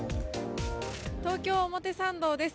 東京・表参道です。